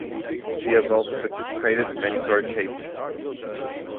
She has also participated in many court cases